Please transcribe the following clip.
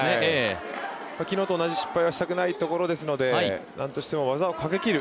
昨日と同じ失敗はしたくないところですのでなんとしても技をかけきる